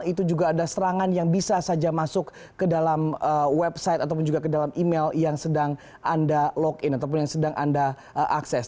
itu juga ada serangan yang bisa saja masuk ke dalam website ataupun juga ke dalam email yang sedang anda login ataupun yang sedang anda akses